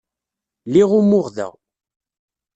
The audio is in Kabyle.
Liɣ umuɣ da.